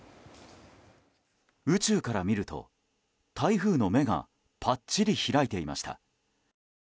宇宙から見ると、台風の目がぱっちり開いていました。